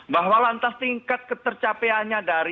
bahwa lantas tingkat ketercapaiannya